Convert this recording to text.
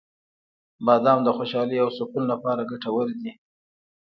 • بادام د خوشحالۍ او سکون لپاره ګټور دي.